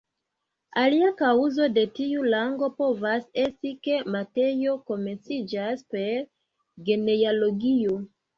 Alia kaŭzo de tiu rango povas esti, ke Mateo komenciĝas per genealogio.